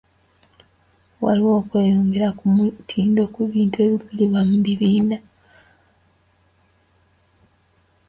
Waliwo okweyongera ku mutindo ku bintu ebigulibwa abalimi abali mu bibiina by'obwegassi.